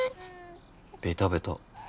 ベタベタ。